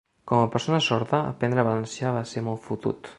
Com a persona sorda, aprendre valencià va ser molt fotut.